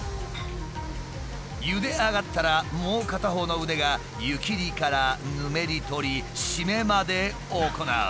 ゆで上がったらもう片方の腕が湯切りからぬめり取り締めまで行う。